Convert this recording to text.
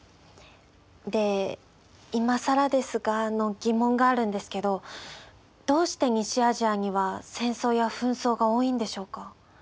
でいまさらですがの疑問があるんですけどどうして西アジアには戦争や紛争が多いんでしょうか？